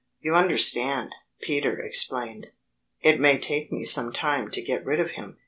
"You understand," Peter explained, "it may take me some time to get rid of him.